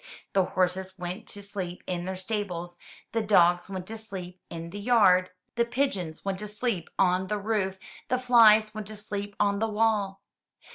The horses went to sleep in their stables, the dogs went to sleep in the yard; the pigeons went to sleep on the roof; the flies went to sleep on the wall.